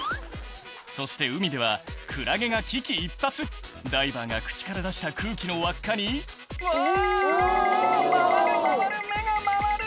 そして海ではクラゲが危機一髪ダイバーが口から出した空気の輪っかに「うわ！回る回る目が回る！」